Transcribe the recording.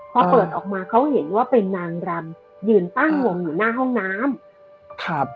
พอเปิดออกมาเขาเห็นว่าเป็นนางรำยืนตั้งวงอยู่หน้าห้องน้ำครับ